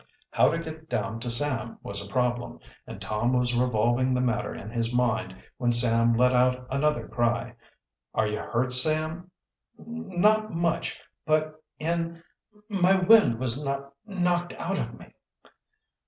How to get down to Sam was a problem, and Tom was revolving the matter in his mind when Sam let out another cry. "Are you hurt, Sam?" "N not much, but m my wind was kno knocked out of me."